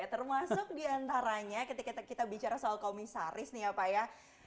termasuk diantaranya ketika kita bicara soal komisaris nih ya pak ya